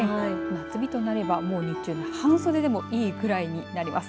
夏日となればもう日中半袖でもいいくらいになります。